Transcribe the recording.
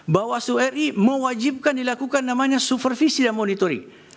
bawaslu ri mewajibkan dilakukan namanya supervisi dan monitoring